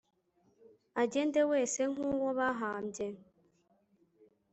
agende wese nk'uwo bahambye